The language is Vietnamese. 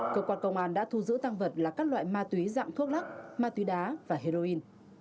cơ quan công an đã thu giữ tăng vật là các loại ma túy dạng thuốc lắc ma túy đá và heroin